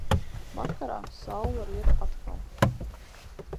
Vakarā saule riet atkal.